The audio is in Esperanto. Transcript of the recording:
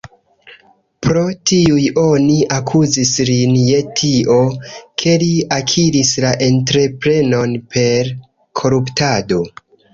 Pro tiuj oni akuzis lin je tio, ke li akiris la entreprenon per koruptado.